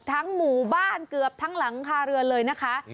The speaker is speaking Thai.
หมู่บ้านเกือบทั้งหลังคาเรือนเลยนะคะ